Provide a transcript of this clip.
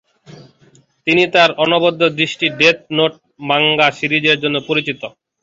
তিনি তার অনবদ্য সৃষ্টি ডেথ নোট মাঙ্গা সিরিজের জন্য পরিচিত।